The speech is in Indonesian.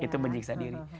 itu menyiksa diri